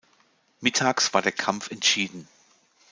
Mittags war der Kampf entschieden.